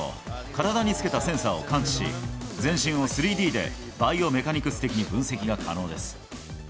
体につけたセンサーを感知し、全身を３Ｄでバイオメカニクス的に分析が可能です。